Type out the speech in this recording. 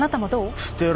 捨てろ。